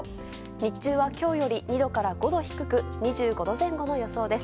日中は今日より２度から５度低く２５度前後の予想です。